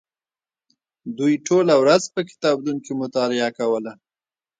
دوی ټوله ورځ په کتابتون کې مطالعه کوله.